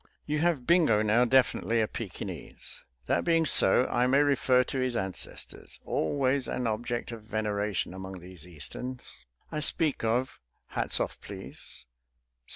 You have Bingo now definitely a Pekinese. That being so, I may refer to his ancestors, always an object of veneration among these Easterns. I speak of (hats off, please!)